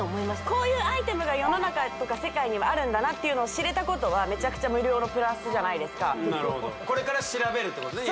こういうアイテムが世の中とか世界にはあるんだなっていうのを知れたことはめちゃくちゃ無料のプラスじゃないですかなるほどこれから調べるってことね